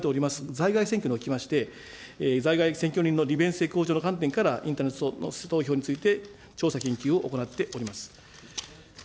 在外選挙におきまして、在外選挙人の利便性向上の観点から、インターネット投票について、調査、研究を行っております。